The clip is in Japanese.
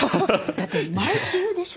だって毎週でしょ？